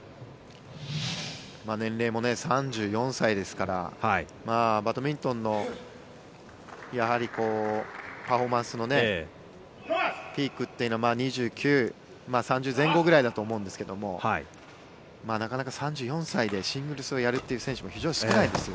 年齢も３４歳ですからバドミントンのパフォーマンスのピークというのは２９、３０前後ぐらいだと思うんですけどもなかなか３４歳でシングルスをやるという選手は非常に少ないですよね。